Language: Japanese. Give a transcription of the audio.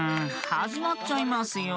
はじまっちゃいますよ。